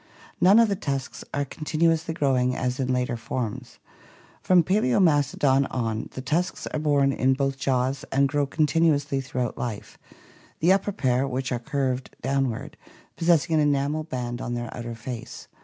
None of the tusks are contin uously growing as in later forms. From Pakzotnastodon on, the tusks are borne in both jaws and grow continuously throughout life, the upper pair, which are curved downward, possessing an enamel band on their outer face.